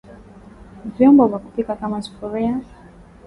vyombo vya kupika kama Sufuria